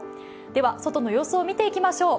では外の様子を見ていきましょう。